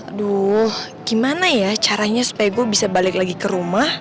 aduh gimana ya caranya supaya gue bisa balik lagi ke rumah